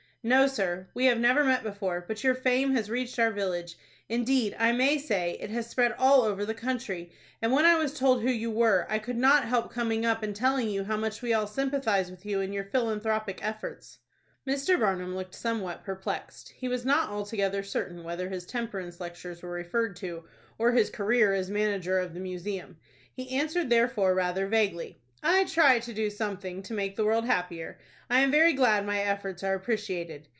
"No, sir, we have never met before, but your fame has reached our village; indeed, I may say, it has spread all over the country, and when I was told who you were I could not help coming up and telling you how much we all sympathize with you in your philanthropic efforts." Mr. Barnum looked somewhat perplexed. He was not altogether certain whether his temperance lectures were referred to, or his career as manager of the Museum. He answered therefore rather vaguely, "I try to do something to make the world happier. I am very glad my efforts are appreciated."